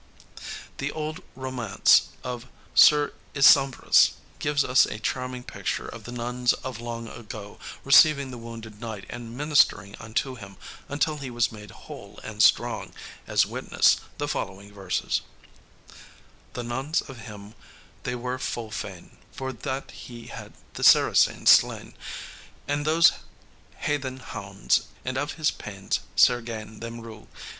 The old romance of Sir Isumbras gives us a charming picture of the nuns of long ago receiving the wounded knight and ministering unto him until he was made whole and strong, as witness the following verses: "The nonnes of him they were full fayne, For that he had the Saracenes slayne And those haythene houndes. And of his paynnes sare ganne them rewe.